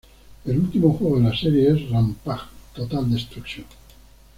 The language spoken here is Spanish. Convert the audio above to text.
El último juego de la serie es "Rampage: Total Destruction".